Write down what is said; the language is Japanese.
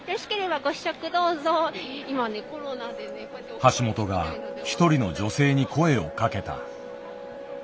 橋本が一人の女性に声をかけた。